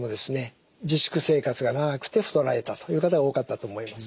自粛生活が長くて太られたという方が多かったと思います。